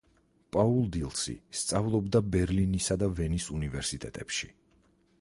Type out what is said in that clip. პაულ დილსი სწავლობდა ბერლინისა და ვენის უნივერსიტეტებში.